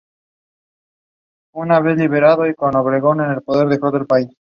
Publicadas en París.